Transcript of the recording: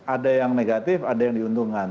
ada yang negatif ada yang diuntungkan